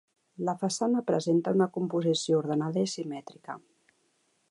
La façana presenta una composició ordenada i simètrica.